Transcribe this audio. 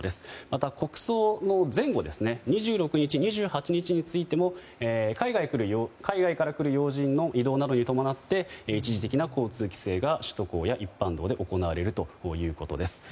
また、国葬の前後２６日、２８日についても海外から来る要人の移動などに伴って一時的な交通規制が首都高や一般道で行われるということです。